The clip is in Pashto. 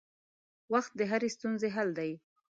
وخت د هرې ستونزې حل دی.